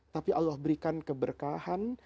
tapi allah berikan keberkahan